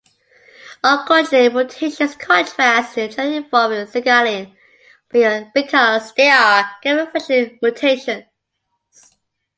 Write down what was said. Oncogene mutations, in contrast, generally involve a single allele because they are gain-of-function mutations.